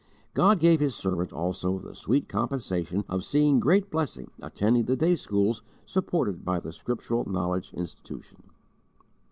God gave His servant also the sweet compensation of seeing great blessing attending the day schools supported by the Scriptural Knowledge Institution.